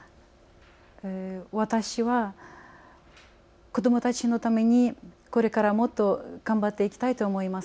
私は子どもたちのためにこれからもっと頑張っていきたいと思います。